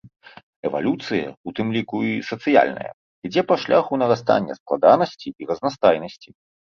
Эвалюцыя, у тым ліку і сацыяльная, ідзе па шляху нарастання складанасці і разнастайнасці.